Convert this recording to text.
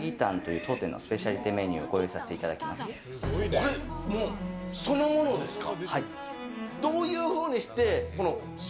これ、そのものですか。